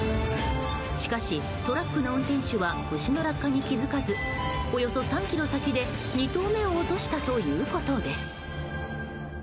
しかし、トラックの運転手は牛の落下に気づかずおよそ３ｋｍ先で２頭目を落としたということです。